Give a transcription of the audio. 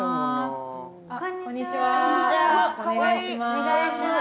お願いします。